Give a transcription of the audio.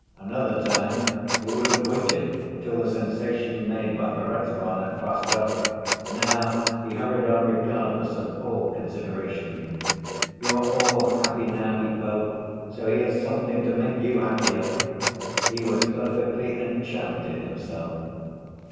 Another time he would have waited till the sensation made by Perezvon had passed off, now he hurried on regardless of all consideration. "You are all happy now," he felt, "so here's something to make you happier!" He was perfectly enchanted himself.